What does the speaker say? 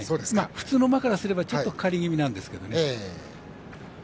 普通の馬からするとちょっとかかり気味なんですけど。